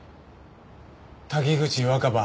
滝口若葉。